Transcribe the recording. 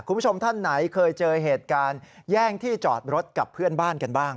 คุณผู้ชมท่านไหนเคยเจอเหตุการณ์แย่งที่จอดรถกับเพื่อนบ้านกันบ้าง